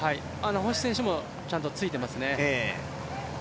星選手もちゃんとついていますね。